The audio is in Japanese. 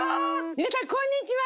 皆さんこんにちは！